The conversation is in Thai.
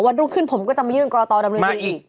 รุ่งขึ้นผมก็จะมายื่นกรกตดำเนินคดีอีก